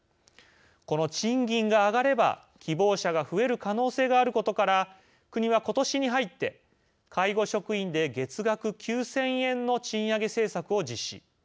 この賃金が上がれば希望者が増える可能性があることから国は、ことしに入って介護職員で月額９０００円の賃上げ政策を実施。